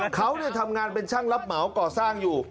เขาทำงานเป็นช่างรับเหมาก่อสร้างอยู่